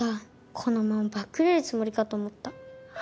このままバックレるつもりかと思った。